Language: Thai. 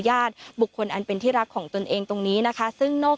ญาติบุคคลอันเป็นที่รักของตนเองตรงนี้นะคะซึ่งนอก